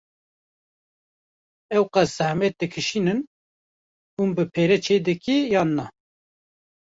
Ewqas zehmet dikşînin hûn bi pere çê dikî yan na?